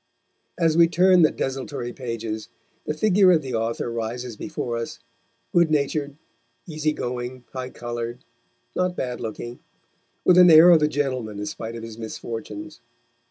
As we turn the desultory pages, the figure of the author rises before us, good natured, easygoing, high coloured, not bad looking, with an air of a gentleman in spite of his misfortunes.